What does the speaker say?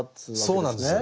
そうなんです。